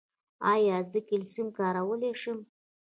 ایا زه کلسیم کارولی شم؟